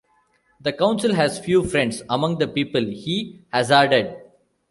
“The Council has few friends among the people,” he hazarded.